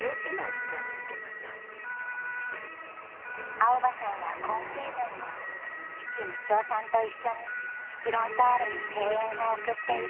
蒼葉さんは今シーズンも父路夫さんと一緒にフロンターレに声援を送っている。